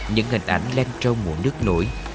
những hình ảnh len trâu mùa nước nổi